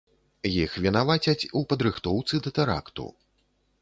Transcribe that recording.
Іх вінавацяць у падрыхтоўцы да тэракту.